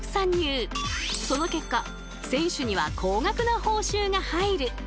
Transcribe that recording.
その結果選手には高額な報酬が入る。